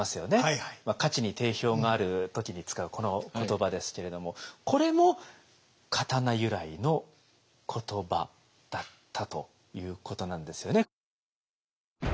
価値に定評がある時に使うこの言葉ですけれどもこれも刀由来の言葉だったということなんですよね。